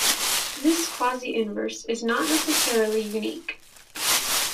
This quasi-inverse is not necessarily unique.